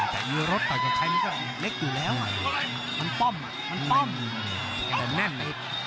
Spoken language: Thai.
แต่ยื๊อรถต่อยกับใครมันก็เร็กอยู่แล้วอ่าหนันป้อมนี่หนันป้อมแต่แน่น